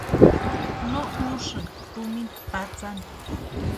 No úsïnka tumina patsani.